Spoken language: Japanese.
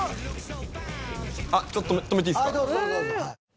あっちょっと止めていいですか？